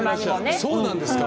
そうなんですか！